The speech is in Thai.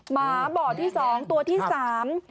หมาบ่อที่สองตัวที่สาม